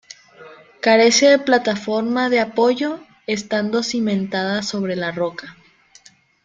Carece de plataforma de apoyo, estando cimentada sobre la roca.